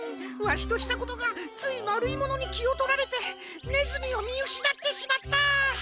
わしとしたことがついまるいものにきをとられてねずみをみうしなってしまった！